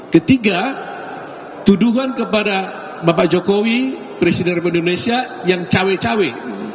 ketiga tuduhan kepada bapak jokowi presiden republik indonesia yang cawe cawe